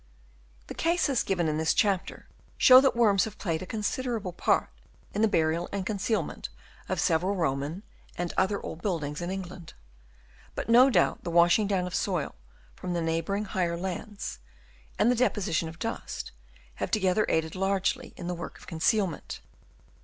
— The cases given in this chapter show that worms have played a considerable part in the burial and concealment of several Koman and other old buildings in England ; but no doubt the washing down of soil from the neighbouring higher lands, and the de position of dust, have together aided largely in the work of concealment.